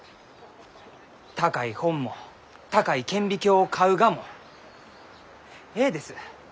高い本も高い顕微鏡を買うがもえいです。